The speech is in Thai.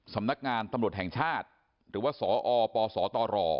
สำนักงานตำรวจแห่งชาติหรือว่าสอปสตร